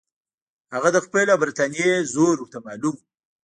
هغه د خپل او برټانیې زور ورته معلوم وو.